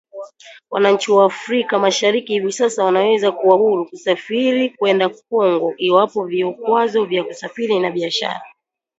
Wananchi wa Afrika Mashariki hivi sasa wanaweza kuwa huru kusafiri kwenda Kongo iwapo vikwazo vya kusafiri na biashara